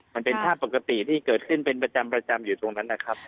มันเป็นภาพปกติที่เกิดขึ้นเป็นประจำอยู่ตรงนั้นนะครับ